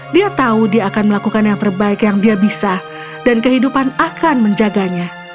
dia tahu dia akan melakukan yang terbaik yang dia bisa dan kehidupan akan menjaganya